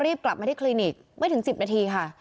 กลับมาที่คลินิกไม่ถึง๑๐นาทีค่ะ